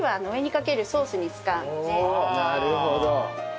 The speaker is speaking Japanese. なるほど。